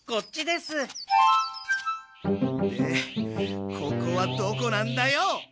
でここはどこなんだよ！？